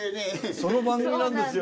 その番組なんですよ実は。